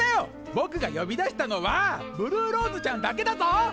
僕が呼び出したのはブルーローズちゃんだけだぞ！